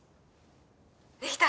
「できた！